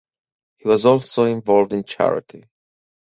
He was also involved in charity.